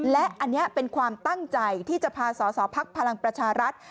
และอันนี้เป็นความตั้งใจที่จะพาสอสอภักดิ์พลังประชารัฐ